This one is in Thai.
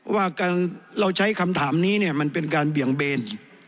ว่าเราใช้คำถามนี้เนี่ยมันเป็นการเบี่ยงเบน